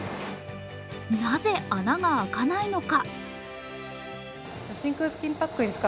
なぜ、穴が開かないのか？